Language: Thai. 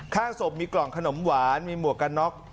ข้างศพมีกล่องขนมหวานมีหมวกกันน็อก